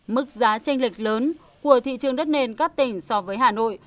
mức giá tranh lệch lớn của thị trường đất nền các tỉnh so với hà nội